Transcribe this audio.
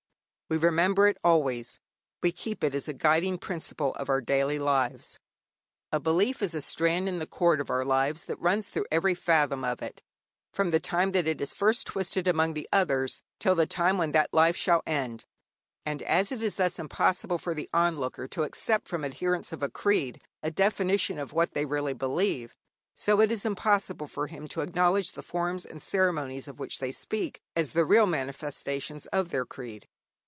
We remember it always; we keep it as a guiding principle of our daily lives. A belief is a strand in the cord of our lives, that runs through every fathom of it, from the time that it is first twisted among the others till the time when that life shall end. And as it is thus impossible for the onlooker to accept from adherents of a creed a definition of what they really believe, so it is impossible for him to acknowledge the forms and ceremonies of which they speak as the real manifestations of their creed.